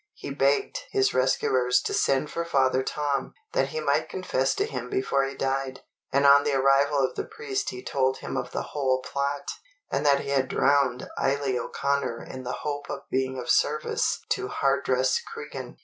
He begged his rescuers to send for Father Tom, that he might confess to him before he died; and on the arrival of the priest he told him of the whole plot, and that he had drowned Eily O'Connor in the hope of being of service to Hardress Cregan.